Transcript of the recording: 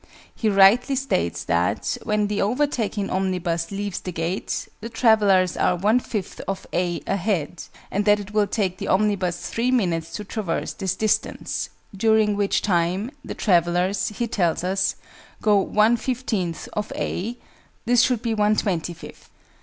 He rightly states that, when the overtaking omnibus leaves the gate, the travellers are 1 5th of "a" ahead, and that it will take the omnibus 3 minutes to traverse this distance; "during which time" the travellers, he tells us, go 1 15th of "a" (this should be 1 25th).